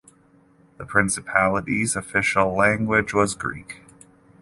The principality's official language was Greek.